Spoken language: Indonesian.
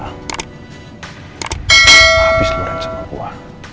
habis lu rancang gue